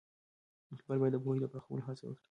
اقبال باید د پوهې د پراخولو هڅه وکړي.